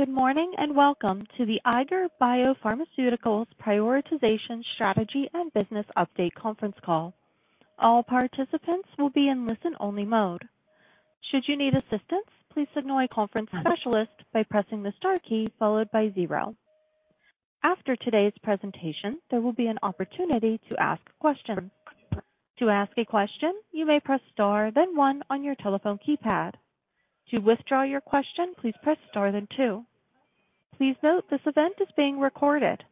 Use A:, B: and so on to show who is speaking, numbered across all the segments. A: Good morning, welcome to the Eiger BioPharmaceuticals Prioritization Strategy and Business Update conference call. All participants will be in listen-only mode. Should you need assistance, please signal a conference specialist by pressing the star key followed by zero. After today's presentation, there will be an opportunity to ask questions. To ask a question, you may press star then one on your telephone keypad. To withdraw your question, please press star then two. Please note, this event is being recorded.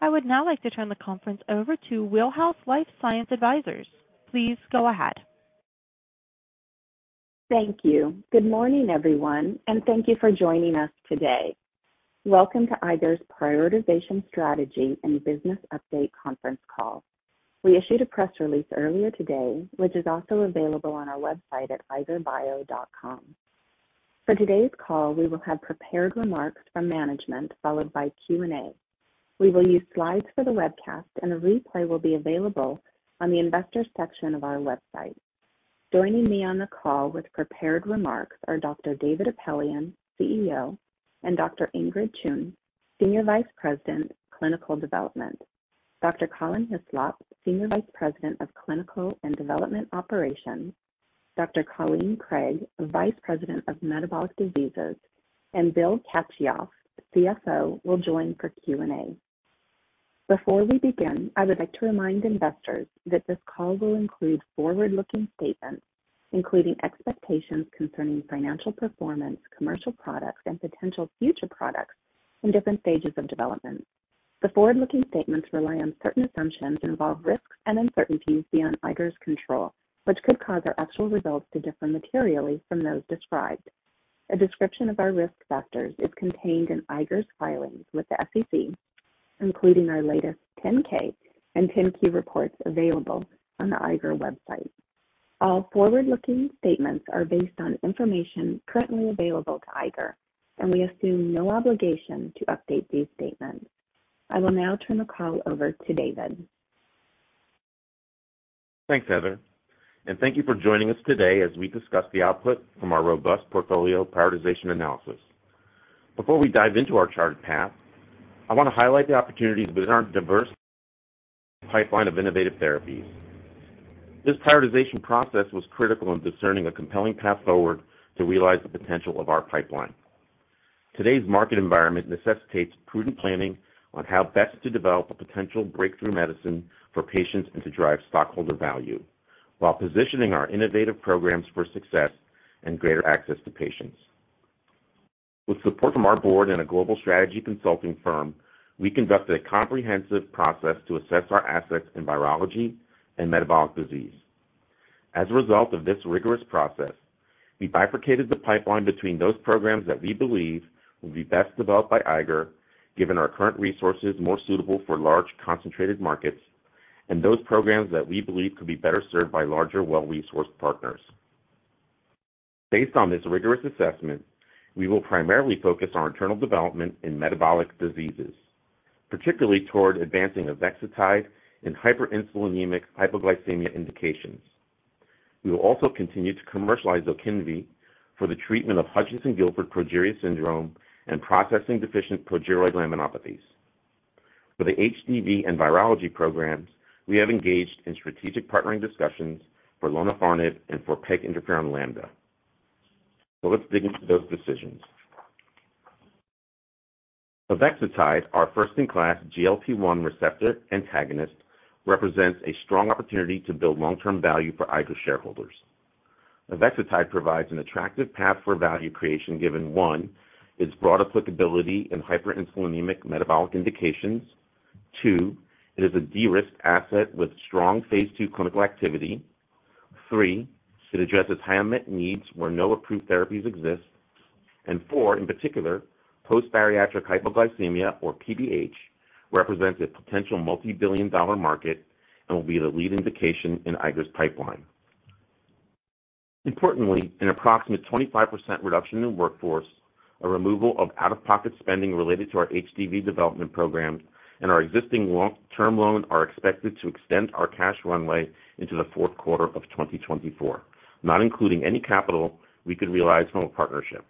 A: I would now like to turn the conference over to Wheelhouse Life Science Advisors. Please go ahead.
B: Thank you. Good morning, everyone, and thank you for joining us today. Welcome to Eiger's Prioritization Strategy and Business Update conference call. We issued a press release earlier today, which is also available on our website at eigerbio.com. For today's call, we will have prepared remarks from management, followed by Q&A. We will use slides for the webcast, and a replay will be available on the investors section of our website. Joining me on the call with prepared remarks are Dr. David Apelian, CEO, and Dr. Ingrid Choong, Senior Vice President, Clinical Development, Dr. Colin Hislop, Senior Vice President of Clinical and Development Operations, Dr. Colleen Craig, Vice President of Metabolic Diseases, and Bill Kachioff, CFO, will join for Q&A. Before we begin, I would like to remind investors that this call will include forward-looking statements, including expectations concerning financial performance, commercial products, and potential future products in different stages of development. The forward-looking statements rely on certain assumptions, involve risks and uncertainties beyond Eiger's control, which could cause our actual results to differ materially from those described. A description of our risk factors is contained in Eiger's filings with the SEC, including our latest 10-K and 10-Q reports available on the Eiger website. All forward-looking statements are based on information currently available to Eiger. We assume no obligation to update these statements. I will now turn the call over to David.
C: Thanks, Heather, and thank you for joining us today as we discuss the output from our robust portfolio prioritization analysis. Before we dive into our chart path, I want to highlight the opportunities within our diverse pipeline of innovative therapies. This prioritization process was critical in discerning a compelling path forward to realize the potential of our pipeline. Today's market environment necessitates prudent planning on how best to develop a potential breakthrough medicine for patients and to drive stockholder value, while positioning our innovative programs for success and greater access to patients. With support from our board and a global strategy consulting firm, we conducted a comprehensive process to assess our assets in virology and metabolic disease. As a result of this rigorous process, we bifurcated the pipeline between those programs that we believe will be best developed by Eiger, given our current resources more suitable for large, concentrated markets, and those programs that we believe could be better served by larger, well-resourced partners. Based on this rigorous assessment, we will primarily focus on internal development in metabolic diseases, particularly toward advancing avexitide in hyperinsulinemic hypoglycemia indications. We will also continue to commercialize Zokinvy for the treatment of Hutchinson-Gilford progeria syndrome and processing-deficient progeroid laminopathies. For the HDV and virology programs, we have engaged in strategic partnering discussions for lonafarnib and for peginterferon lambda. Let's dig into those decisions. Avexitide, our first-in-class GLP-1 receptor antagonist, represents a strong opportunity to build long-term value for Eiger shareholders. Avexitide provides an attractive path for value creation, given, one, its broad applicability in hyperinsulinemic metabolic indications. Two, it is a de-risked asset with strong phase II clinical activity. Three, it addresses high unmet needs where no approved therapies exist. Four, in particular, post-bariatric hypoglycemia, or PBH, represents a potential multi-billion dollar market and will be the lead indication in Eiger's pipeline. Importantly, an approximate 25% reduction in workforce, a removal of out-of-pocket spending related to our HDV development program, and our existing long-term loan are expected to extend our cash runway into the fourth quarter of 2024, not including any capital we could realize from a partnership.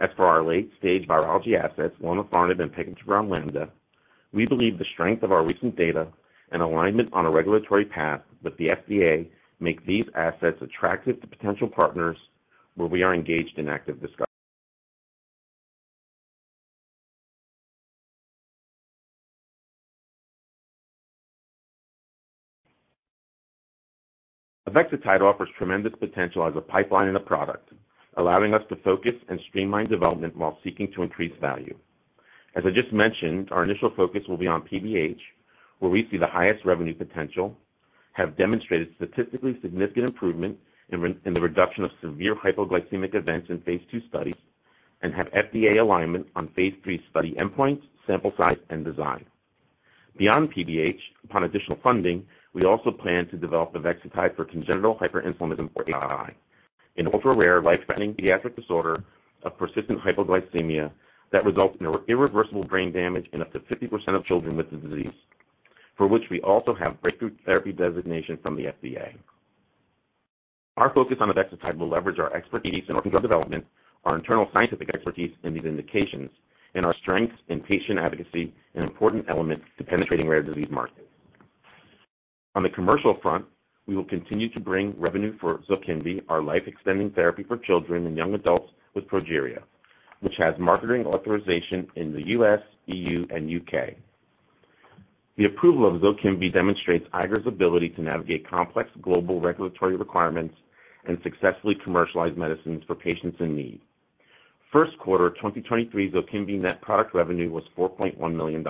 C: As for our late-stage virology assets, lonafarnib and peginterferon lambda, we believe the strength of our recent data and alignment on a regulatory path with the FDA make these assets attractive to potential partners, where we are engaged in active discussions. Avexitide offers tremendous potential as a pipeline and a product, allowing us to focus and streamline development while seeking to increase value. As I just mentioned, our initial focus will be on PBH, where we see the highest revenue potential, have demonstrated statistically significant improvement in the reduction of severe hypoglycemic events in phase II studies, and have FDA alignment on phase III study endpoints, sample size, and design. Beyond PBH, upon additional funding, we also plan to develop avexitide for congenital hyperinsulinism, or HI, an ultra-rare, life-threatening pediatric disorder of persistent hypoglycemia that results in irreversible brain damage in up to 50% of children with the disease, for which we also have Breakthrough Therapy designation from the FDA. Our focus on avexitide will leverage our expertise in orphan drug development, our internal scientific expertise in these indications, and our strengths in patient advocacy, an important element to penetrating rare disease markets. On the commercial front, we will continue to bring revenue for Zolgensma, our life-extending therapy for children and young adults with progeria, which has marketing authorization in the U.S., E.U., and U.K. The approval of Zolgensma demonstrates Eiger's ability to navigate complex global regulatory requirements and successfully commercialize medicines for patients in need. First quarter 2023, Zolgensma net product revenue was $4.1 million.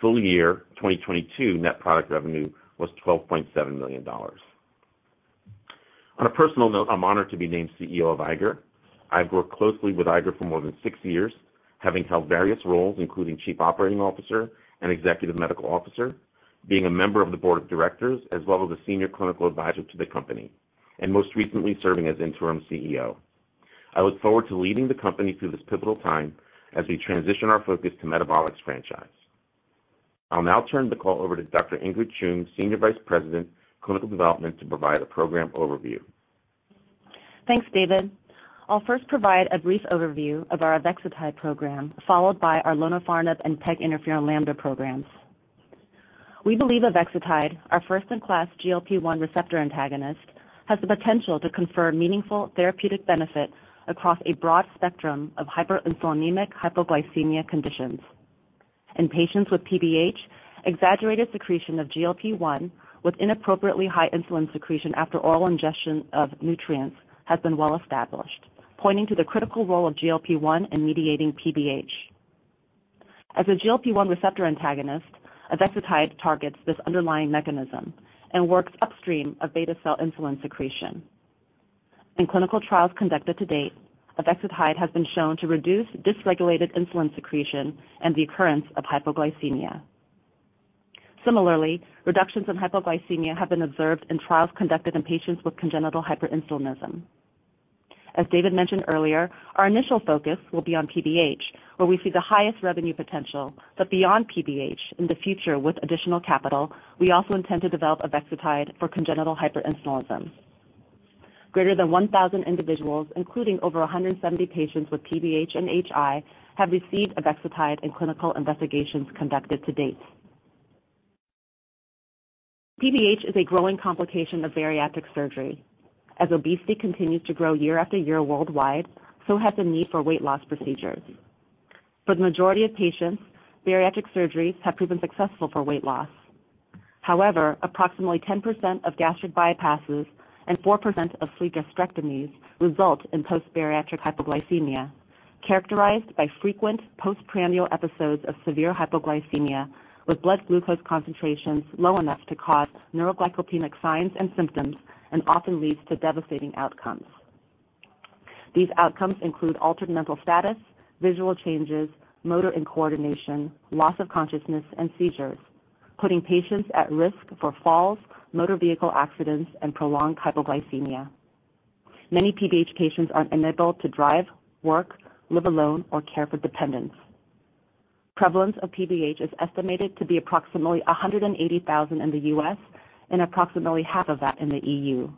C: Full year 2022 net product revenue was $12.7 million. On a personal note, I'm honored to be named CEO of Eiger. I've worked closely with Eiger for more than six years, having held various roles, including Chief Operating Officer and Executive Medical Officer, being a member of the Board of Directors, as well as a senior clinical advisor to the company, and most recently, serving as interim CEO. I look forward to leading the company through this pivotal time as we transition our focus to metabolics franchise. I'll now turn the call over to Dr. Ingrid Choong, Senior Vice President, Clinical Development, to provide a program overview.
D: Thanks, David. I'll first provide a brief overview of our avexitide program, followed by our lonafarnib and peginterferon lambda programs. We believe avexitide, our first-in-class GLP-1 receptor antagonist, has the potential to confer meaningful therapeutic benefit across a broad spectrum of hyperinsulinemic hypoglycemia conditions. In patients with PBH, exaggerated secretion of GLP-1 with inappropriately high insulin secretion after oral ingestion of nutrients, has been well established, pointing to the critical role of GLP-1 in mediating PBH. As a GLP-1 receptor antagonist, avexitide targets this underlying mechanism and works upstream of beta cell insulin secretion. In clinical trials conducted to date, avexitide has been shown to reduce dysregulated insulin secretion and the occurrence of hypoglycemia. Similarly, reductions in hypoglycemia have been observed in trials conducted in patients with congenital hyperinsulinism. As David mentioned earlier, our initial focus will be on PBH, where we see the highest revenue potential. Beyond PBH, in the future, with additional capital, we also intend to develop avexitide for congenital hyperinsulinism. Greater than 1,000 individuals, including over 170 patients with PBH and HI, have received avexitide in clinical investigations conducted to date. PBH is a growing complication of bariatric surgery. As obesity continues to grow year after year worldwide, so has the need for weight loss procedures. For the majority of patients, bariatric surgeries have proven successful for weight loss. However, approximately 10% of gastric bypasses and 4% of sleeve gastrectomies result in post-bariatric hypoglycemia, characterized by frequent postprandial episodes of severe hypoglycemia, with blood glucose concentrations low enough to cause neuroglycopenic signs and symptoms, and often leads to devastating outcomes. These outcomes include altered mental status, visual changes, motor incoordination, loss of consciousness, and seizures, putting patients at risk for falls, motor vehicle accidents, and prolonged hypoglycemia. Many PBH patients are unable to drive, work, live alone, or care for dependents. Prevalence of PBH is estimated to be approximately 180,000 in the U.S. and approximately half of that in the EU.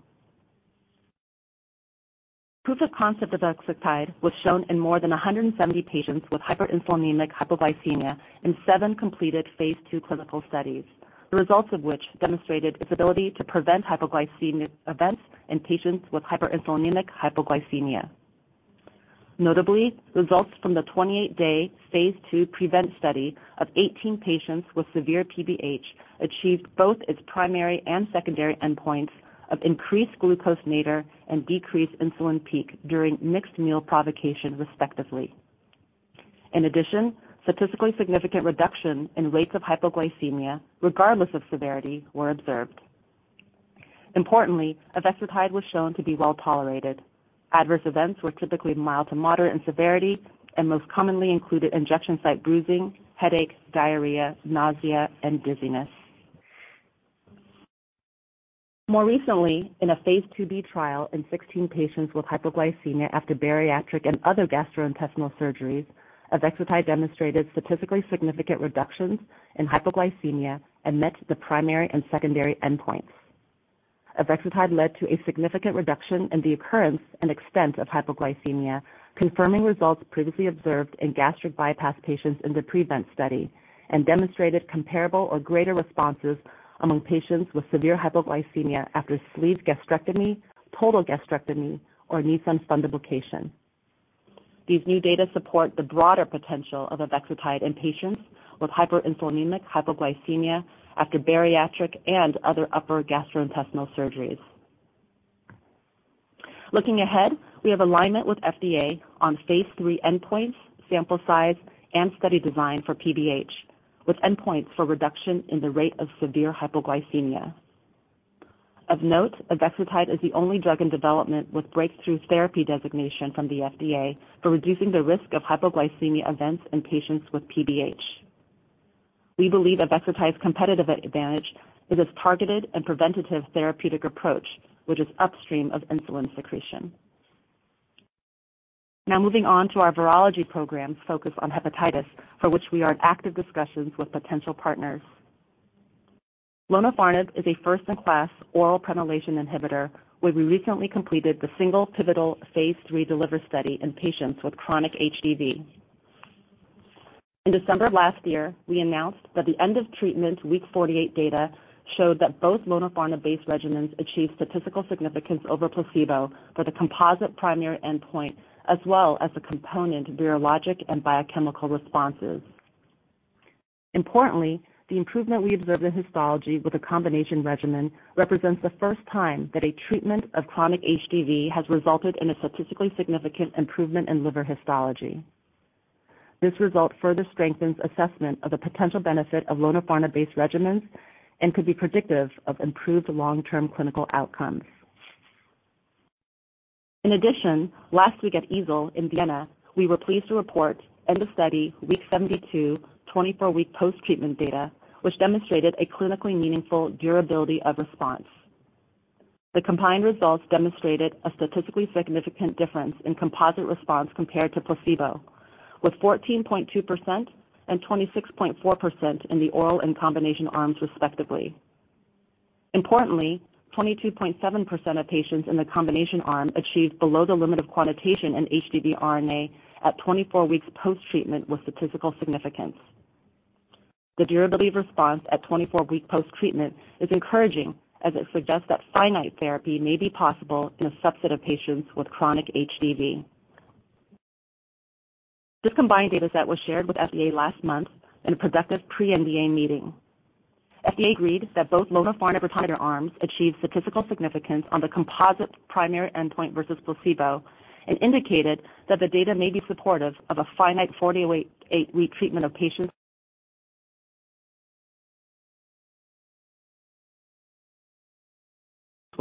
D: Proof of concept of avexitide was shown in more than 170 patients with hyperinsulinemic hypoglycemia in seven completed phase II clinical studies, the results of which demonstrated its ability to prevent hypoglycemic events in patients with hyperinsulinemic hypoglycemia. Notably, results from the 28-day phase II PREVENT study of 18 patients with severe PBH achieved both its primary and secondary endpoints of increased glucose nadir and decreased insulin peak during mixed meal provocation, respectively. Statistically significant reduction in rates of hypoglycemia, regardless of severity, were observed. Importantly, avexitide was shown to be well-tolerated. Adverse events were typically mild to moderate in severity and most commonly included injection site bruising, headaches, diarrhea, nausea, and dizziness. More recently, in a phase IIb trial in 16 patients with hypoglycemia after bariatric and other gastrointestinal surgeries, avexitide demonstrated statistically significant reductions in hypoglycemia and met the primary and secondary endpoints. Avexitide led to a significant reduction in the occurrence and extent of hypoglycemia, confirming results previously observed in gastric bypass patients in the PREVENT study, and demonstrated comparable or greater responses among patients with severe hypoglycemia after sleeve gastrectomy, total gastrectomy, or Nissen fundoplication. These new data support the broader potential of avexitide in patients with hyperinsulinemic hypoglycemia after bariatric and other upper gastrointestinal surgeries. Looking ahead, we have alignment with FDA on phase III endpoints, sample size, and study design for PBH, with endpoints for reduction in the rate of severe hypoglycemia. Of note, avexitide is the only drug in development with Breakthrough Therapy designation from the FDA for reducing the risk of hypoglycemia events in patients with PBH. We believe avexitide's competitive advantage is its targeted and preventative therapeutic approach, which is upstream of insulin secretion. Moving on to our virology programs focused on hepatitis, for which we are in active discussions with potential partners. Lonafarnib is a first-in-class oral prenylation inhibitor, where we recently completed the single pivotal phase III D-LIVR study in patients with chronic HDV. In December of last year, we announced that the end of treatment week 48 data showed that both lonafarnib-based regimens achieved statistical significance over placebo for the composite primary endpoint, as well as the component virologic and biochemical responses. Importantly, the improvement we observed in histology with a combination regimen represents the first time that a treatment of chronic HDV has resulted in a statistically significant improvement in liver histology. This result further strengthens assessment of the potential benefit of lonafarnib-based regimens and could be predictive of improved long-term clinical outcomes. In addition, last week at EASL in Vienna, we were pleased to report end of study week 72, 24 week post-treatment data, which demonstrated a clinically meaningful durability of response. The combined results demonstrated a statistically significant difference in composite response compared to placebo, with 14.2% and 26.4% in the oral and combination arms, respectively. Importantly, 22.7% of patients in the combination arm achieved below the limit of quantitation in HDV RNA at 24 weeks post-treatment with statistical significance. The durability of response at 24-week post-treatment is encouraging, as it suggests that finite therapy may be possible in a subset of patients with chronic HDV. This combined data set was shared with FDA last month in a productive pre-NDA meeting. FDA agreed that both lonafarnib arms achieved statistical significance on the composite primary endpoint versus placebo and indicated that the data may be supportive of a finite 48-week treatment of patients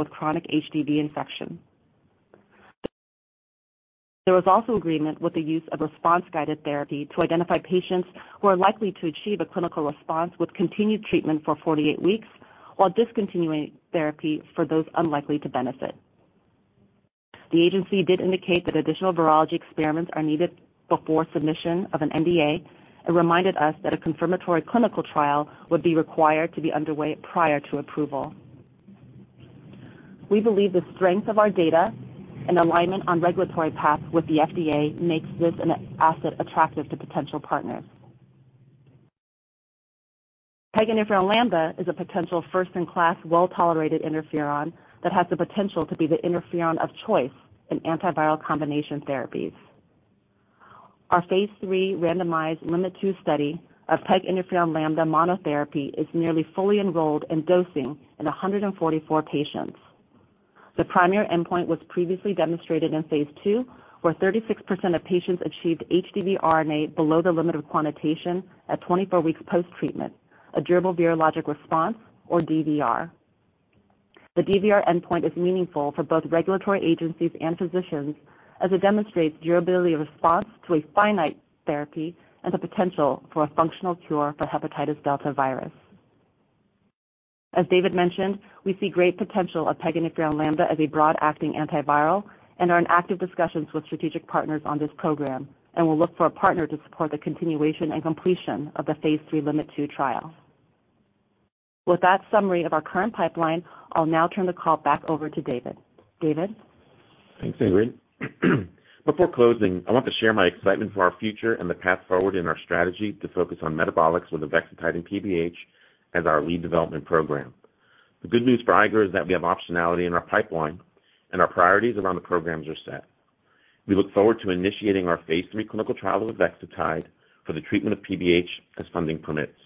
D: with chronic HDV infection. There was also agreement with the use of response-guided therapy to identify patients who are likely to achieve a clinical response with continued treatment for 48 weeks, while discontinuing therapy for those unlikely to benefit. The agency did indicate that additional virology experiments are needed before submission of an NDA and reminded us that a confirmatory clinical trial would be required to be underway prior to approval. We believe the strength of our data and alignment on regulatory path with the FDA makes this an asset attractive to potential partners. Peginterferon lambda is a potential first-in-class, well-tolerated interferon that has the potential to be the interferon of choice in antiviral combination therapies. Our phase III randomized LIMT-2 study of peginterferon lambda monotherapy is nearly fully enrolled in dosing in 144 patients. The primary endpoint was previously demonstrated in phase II, where 36% of patients achieved HDV RNA below the limit of quantitation at 24 weeks post-treatment, a durable virologic response or DVR. The DVR endpoint is meaningful for both regulatory agencies and physicians as it demonstrates durability of response to a finite therapy and the potential for a functional cure for hepatitis delta virus. As David mentioned, we see great potential of peginterferon lambda as a broad-acting antiviral and are in active discussions with strategic partners on this program and will look for a partner to support the continuation and completion of the phase III LIMT-2 trial. With that summary of our current pipeline, I'll now turn the call back over to David. David?
C: Thanks, Ingrid. Before closing, I want to share my excitement for our future and the path forward in our strategy to focus on metabolics with avexitide and PBH as our lead development program. The good news for Eiger is that we have optionality in our pipeline and our priorities around the programs are set. We look forward to initiating our phase III clinical trial of avexitide for the treatment of PBH as funding permits.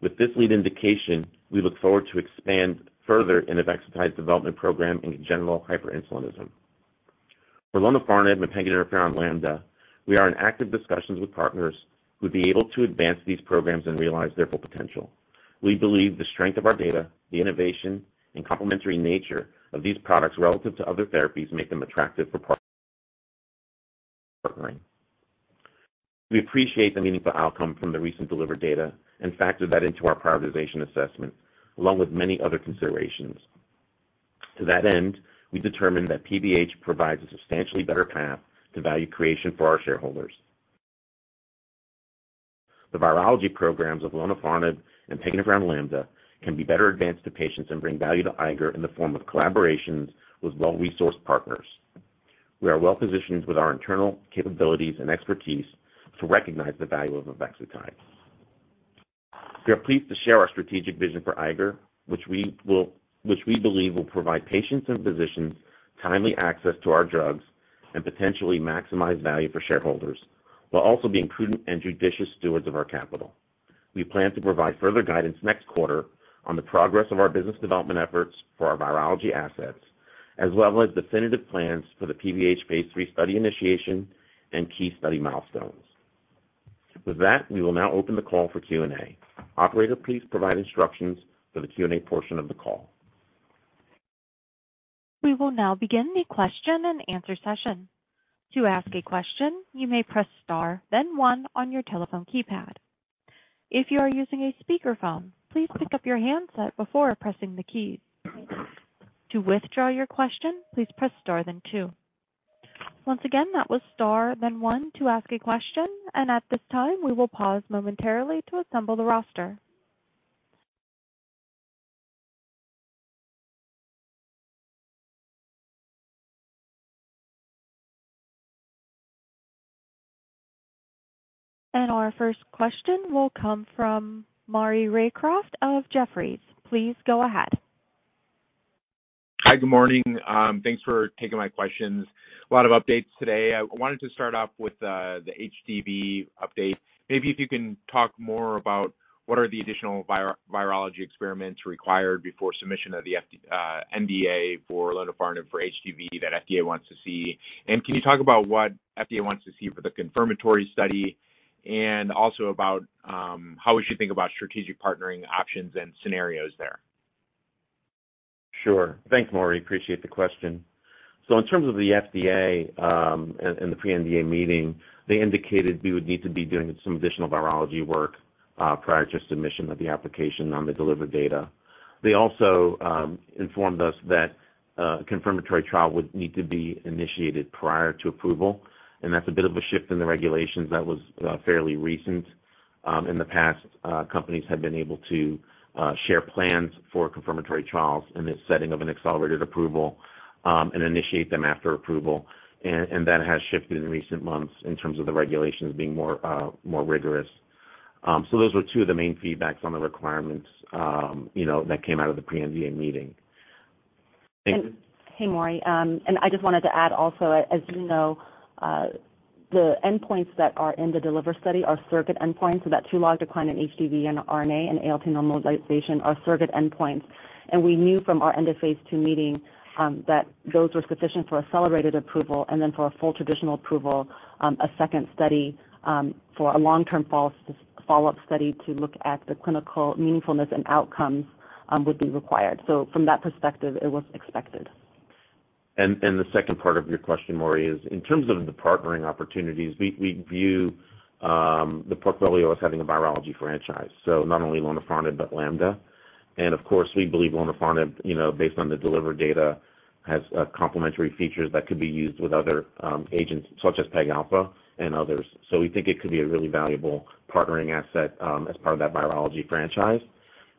C: With this lead indication, we look forward to expand further in the avexitide development program in general hyperinsulinemia. For lonafarnib and peginterferon lambda, we are in active discussions with partners who would be able to advance these programs and realize their full potential. We believe the strength of our data, the innovation and complementary nature of these products relative to other therapies make them attractive for partnering. We appreciate the meaningful outcome from the recent D-LIVR data and factor that into our prioritization assessment, along with many other considerations. To that end, we determined that PBH provides a substantially better path to value creation for our shareholders. The virology programs of lonafarnib and peginterferon lambda can be better advanced to patients and bring value to Eiger in the form of collaborations with well-resourced partners. We are well positioned with our internal capabilities and expertise to recognize the value of avexitide. We are pleased to share our strategic vision for Eiger, which we believe will provide patients and physicians timely access to our drugs and potentially maximize value for shareholders, while also being prudent and judicious stewards of our capital. We plan to provide further guidance next quarter on the progress of our business development efforts for our virology assets, as well as definitive plans for the PBH phase III study initiation and key study milestones. We will now open the call for Q&A. Operator, please provide instructions for the Q&A portion of the call.
A: We will now begin the question and answer session. To ask a question, you may press star, then one on your telephone keypad. If you are using a speakerphone, please pick up your handset before pressing the keys. To withdraw your question, please press star then two. Once again, that was star then one to ask a question. At this time, we will pause momentarily to assemble the roster. Our first question will come from Maury Raycroft of Jefferies. Please go ahead.
E: Hi, good morning. Thanks for taking my questions. A lot of updates today. I wanted to start off with the HDV update. Maybe if you can talk more about what are the additional virology experiments required before submission of the NDA for lonafarnib for HDV that FDA wants to see. Can you talk about what FDA wants to see for the confirmatory study and also about how we should think about strategic partnering options and scenarios there?
C: Sure. Thanks, Maury. Appreciate the question. In terms of the FDA, and the pre-NDA meeting, they indicated we would need to be doing some additional virology work prior to submission of the application on the D-LIVR data. They also informed us that a confirmatory trial would need to be initiated prior to approval, and that's a bit of a shift in the regulations that was fairly recent. In the past, companies have been able to share plans for confirmatory trials in the setting of an accelerated approval, and initiate them after approval. That has shifted in recent months in terms of the regulations being more rigorous. So those were two of the main feedbacks on the requirements, you know, that came out of the pre-NDA meeting. Thank you.
D: Hey, Maury, and I just wanted to add also, as you know, the endpoints that are in the D-LIVR study are surrogate endpoints, so that two-log decline in HDV RNA and ALT normalization are surrogate endpoints. We knew from our end-of-phase II meeting that those were sufficient for accelerated approval and then for a full traditional approval, a second study for a long-term follow-up study to look at the clinical meaningfulness and outcomes would be required. From that perspective, it was expected.
C: The second part of your question, Maury, is in terms of the partnering opportunities, we view the portfolio as having a virology franchise. Not only lonafarnib but lambda, of course, we believe lonafarnib, you know, based on the D-LIVR data, has complementary features that could be used with other agents such as pegalpha and others. We think it could be a really valuable partnering asset as part of that virology franchise.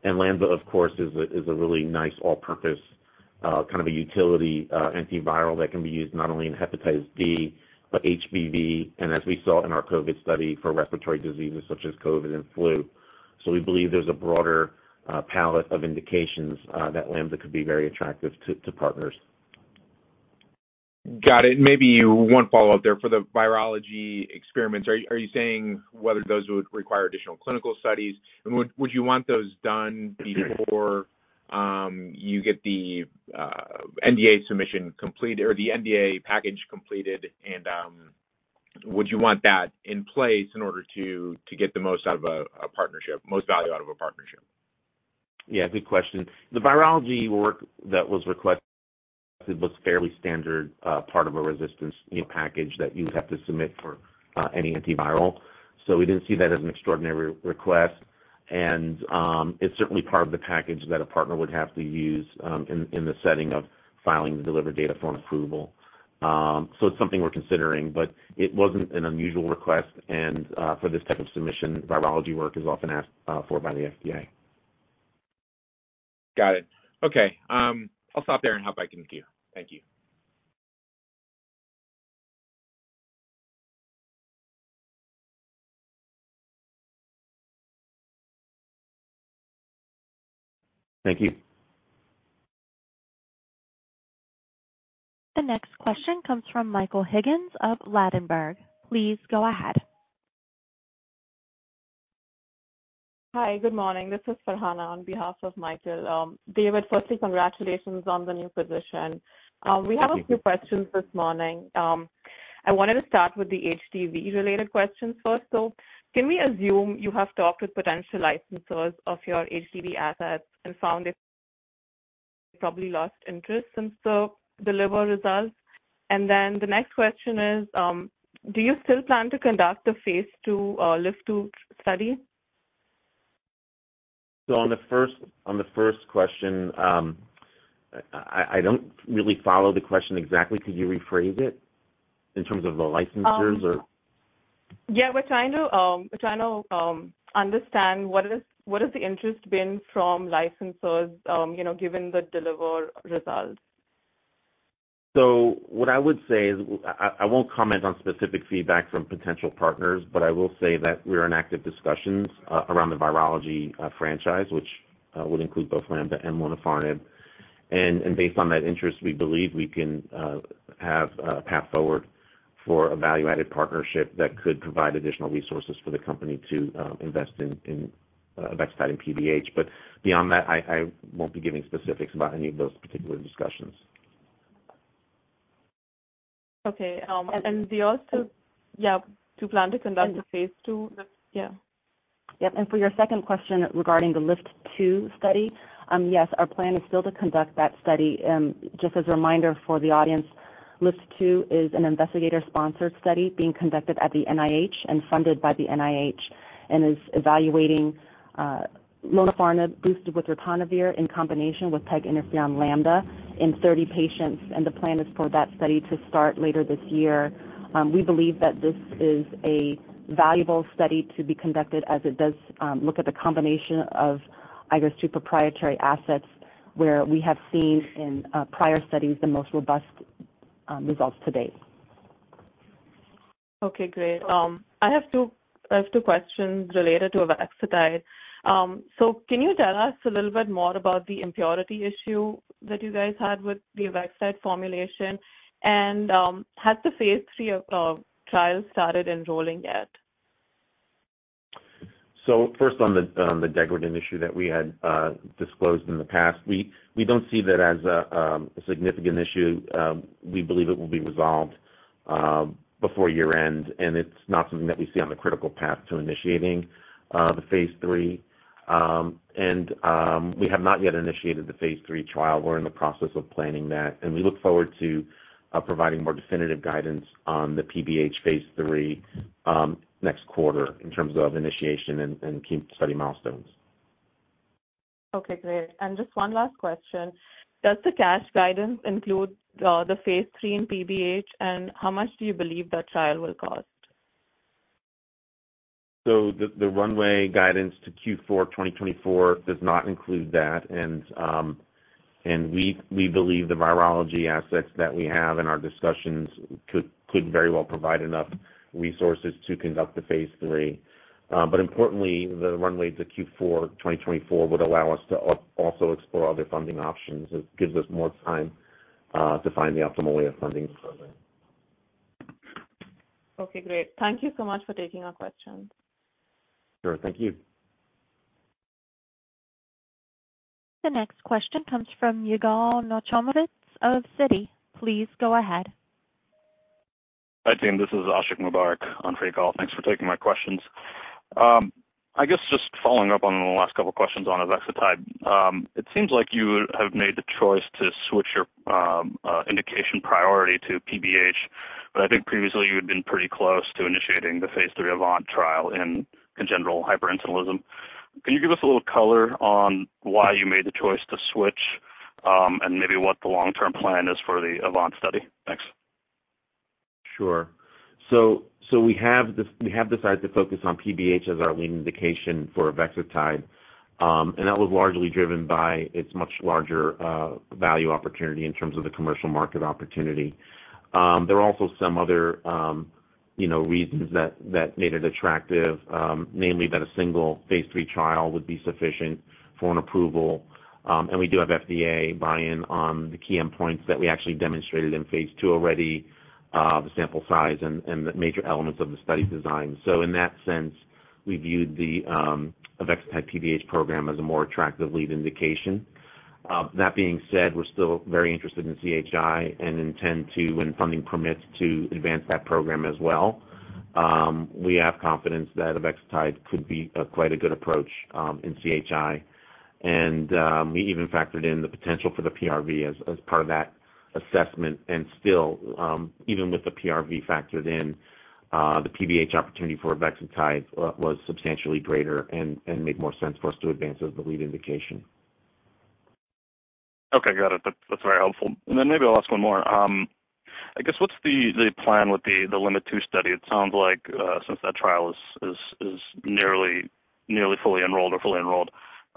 C: Lambda, of course, is a really nice all-purpose kind of a utility antiviral that can be used not only in hepatitis B, but HBV, and as we saw in our COVID study, for respiratory diseases such as COVID and flu. We believe there's a broader palette of indications that lambda could be very attractive to partners.
E: Got it. Maybe one follow-up there. For the virology experiments, are you saying whether those would require additional clinical studies? Would you want those done before you get the NDA submission complete or the NDA package completed? Would you want that in place in order to get the most out of a partnership, most value out of a partnership?
C: Yeah, good question. The virology work that was requested was fairly standard, part of a resistance, you know, package that you'd have to submit for any antiviral. We didn't see that as an extraordinary request, and it's certainly part of the package that a partner would have to use in the setting of filing the D-LIVR data for an approval. It's something we're considering, but it wasn't an unusual request, and for this type of submission, virology work is often asked for by the FDA.
E: Got it. Okay, I'll stop there and hop back into you. Thank you.
C: Thank you.
A: The next question comes from Michael Higgins of Ladenburg. Please go ahead.
F: Hi, good morning. This is Farhana on behalf of Michael. David, firstly, congratulations on the new position.
C: Thank you.
F: We have a few questions this morning. I wanted to start with the HCV-related questions first. Can we assume you have talked with potential licensors of your HCV assets and found they probably lost interest since the D-LIVR results? The next question is: Do you still plan to conduct a phase II, LIFT-2 study?
C: On the first question, I don't really follow the question exactly. Could you rephrase it in terms of the licensors or?
F: Yeah, we're trying to understand what has the interest been from licensors, you know, given the D-LIVR results?
C: What I would say is I won't comment on specific feedback from potential partners, but I will say that we are in active discussions around the virology franchise, which would include both Lambda and lonafarnib. Based on that interest, we believe we can have a path forward for a value-added partnership that could provide additional resources for the company to invest in PBH. Beyond that, I won't be giving specifics about any of those particular discussions.
F: Okay. do you also... Yeah, do you plan to conduct the phase two? Yeah.
D: Yep. For your second question regarding the LIFT-2 study, yes, our plan is still to conduct that study. Just as a reminder for the audience LIFT-2 is an investigator-sponsored study being conducted at the NIH and funded by the NIH and is evaluating lonafarnib boosted with ritonavir in combination with peginterferon lambda in 30 patients. The plan is for that study to start later this year. We believe that this is a valuable study to be conducted as it does look at the combination of I guess two proprietary assets, where we have seen in prior studies the most robust results to date.
F: Okay, great. I have two questions related to avexitide. Can you tell us a little bit more about the impurity issue that you guys had with the avexitide formulation? Has the phase III trial started enrolling yet?
C: First, on the degradant issue that we had disclosed in the past, we don't see that as a significant issue. We believe it will be resolved before year-end, and it's not something that we see on the critical path to initiating the phase III. We have not yet initiated the phase III trial. We're in the process of planning that, and we look forward to providing more definitive guidance on the PBH phase III next quarter in terms of initiation and key study milestones.
F: Okay, great. Just one last question: Does the cash guidance include, the phase III in PBH, and how much do you believe that trial will cost?
C: The runway guidance to Q4 2024 does not include that. We believe the virology assets that we have in our discussions could very well provide enough resources to conduct the phase III. Importantly, the runway to Q4 2024 would allow us to also explore other funding options. It gives us more time to find the optimal way of funding the program.
F: Okay, great. Thank you so much for taking our questions.
C: Sure. Thank you.
A: The next question comes from Yigal Nochomovitz of Citi. Please go ahead.
G: Hi, team, this is Ashiq Mubarack on for Yigal. Thanks for taking my questions. I guess just following up on the last couple of questions on avexitide. It seems like you have made the choice to switch your indication priority to PBH, but I think previously you had been pretty close to initiating the phase III ASCEND trial in congenital hyperinsulinism. Can you give us a little color on why you made the choice to switch, and maybe what the long-term plan is for the ASCEND study? Thanks.
C: Sure. We have decided to focus on PBH as our lead indication for avexitide, and that was largely driven by its much larger value opportunity in terms of the commercial market opportunity. There are also some other, you know, reasons that made it attractive, namely that a single phase III trial would be sufficient for an approval. We do have FDA buy-in on the key endpoints that we actually demonstrated in phase II already, the sample size and the major elements of the study design. In that sense, we viewed the avexitide PBH program as a more attractive lead indication. That being said, we're still very interested in CHI and intend to, when funding permits, to advance that program as well. We have confidence that avexitide could be a quite a good approach in CHI. We even factored in the potential for the PRV as part of that assessment, and still, even with the PRV factored in, the PBH opportunity for avexitide was substantially greater and made more sense for us to advance as the lead indication.
G: Okay, got it. That's very helpful. Maybe I'll ask one more. I guess, what's the plan with the LIMT-2 study? It sounds like since that trial is nearly fully enrolled or fully enrolled,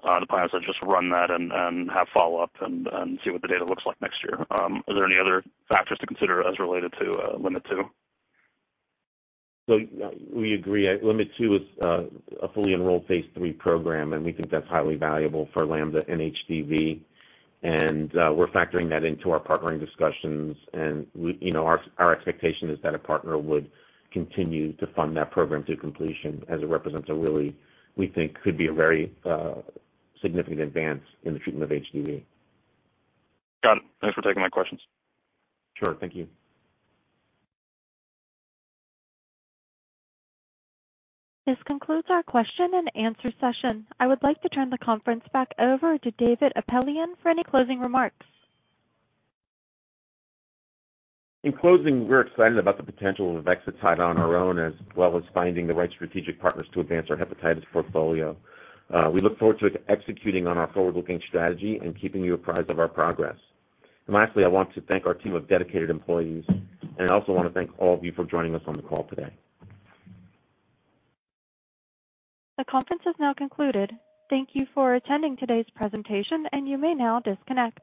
G: the plan is to just run that and have follow-up and see what the data looks like next year. Are there any other factors to consider as related to LIMT-2?
C: We agree. LIMT-2 is a fully enrolled phase III program, and we think that's highly valuable for lambda and HCV. We're factoring that into our partnering discussions. We, you know, our expectation is that a partner would continue to fund that program through completion as it represents a really, we think, could be a very significant advance in the treatment of HCV.
G: Got it. Thanks for taking my questions.
C: Sure. Thank you.
A: This concludes our question and answer session. I would like to turn the conference back over to David Apelian for any closing remarks.
C: In closing, we're excited about the potential of avexitide on our own, as well as finding the right strategic partners to advance our hepatitis portfolio. We look forward to executing on our forward-looking strategy and keeping you apprised of our progress. Lastly, I want to thank our team of dedicated employees, and I also want to thank all of you for joining us on the call today.
A: The conference has now concluded. Thank you for attending today's presentation, and you may now disconnect.